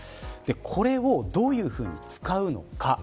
これをどういうふうに使うのか。